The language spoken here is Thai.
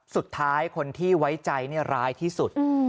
สุดท้ายคนที่ไว้ใจร้ายที่สุด